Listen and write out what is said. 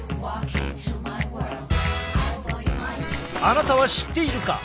あなたは知っているか？